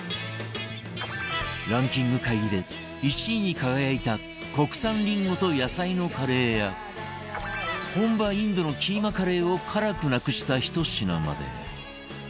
ランキング会議で１位に輝いた国産りんごと野菜のカレーや本場インドのキーマカレーを辛くなくしたひと品まで